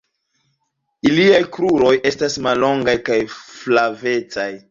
Iliaj kruroj estas mallongaj kaj flavecaj.